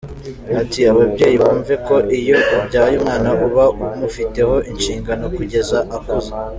Ati “ababyeyi bumve ko iyo ubyaye umwana uba umufiteho inshingano kugeza akuze.